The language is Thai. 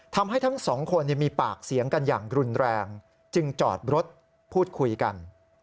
ทั้งสองคนมีปากเสียงกันอย่างรุนแรงจึงจอดรถพูดคุยกัน